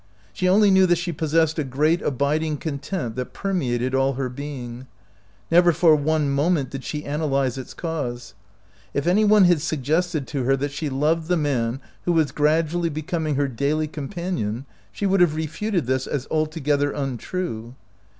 She only knew that she possessed a great abiding content that permeated all her being. Never for one moment did she analyze its cause. If any one had suggested to her that she loved the man who was gradually becoming her daily companion, she would have refuted this as altogether untrue.